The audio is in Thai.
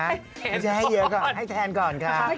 ไม่ใช่ให้เยอะก่อนให้แทนก่อนค่ะ